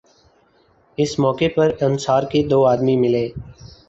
اس موقع پر انصار کے دو آدمی ملے